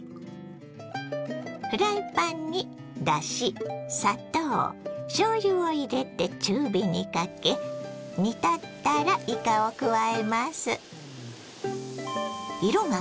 フライパンにだし砂糖しょうゆを入れて中火にかけ煮立ったらいかを加えます。